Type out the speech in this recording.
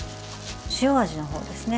塩味の方ですね